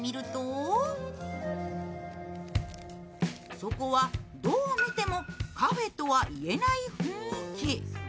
そこはどう見てもカフェとは言えない雰囲気。